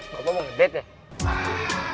bapak mau ngedate ya